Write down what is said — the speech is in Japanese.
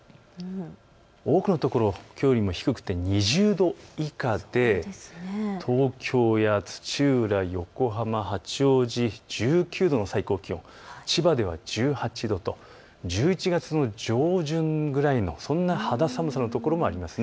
多くの所、きょうよりも低くて２０度以下で東京や土浦、横浜、八王子、１９度の最高気温、千葉では１８度と１１月の上旬ぐらいのそんな肌寒さの所もあります。